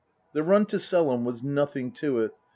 The run to Selham was nothing to it.